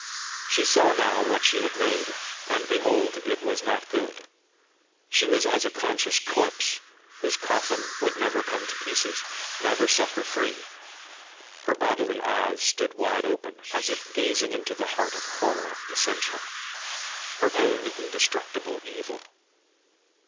She saw now what she had made, and behold, it was not good! She was as a conscious corpse, whose coffin would never come to pieces, never set her free! Her bodily eyes stood wide open, as if gazing into the heart of horror essential her own indestructible evil.